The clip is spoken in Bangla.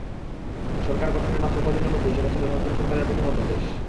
সরকার গঠনের মাত্র কদিনের মধ্যেই সেটা ছিল নতুন সরকারের প্রথম অধ্যাদেশ।